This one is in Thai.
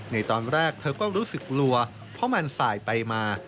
ในตอนแรกเธอก็รู้สึกกลัวเพราะมันสายไปมา